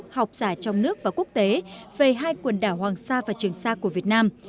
học giả trong nước và quốc tế về hai quần đảo hoàng sa và trường sa của việt nam